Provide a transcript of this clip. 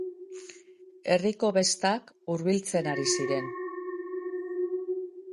Herriko bestak hurbiltzen ari ziren.